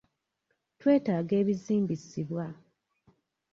Twetaaga ebizimbisibwa.